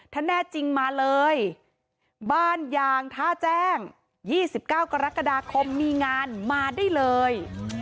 ถ้าแน่จริงมาเลยบ้านยางท่าแจ้ง๒๙กรกฎาคมมีงานมาได้เลย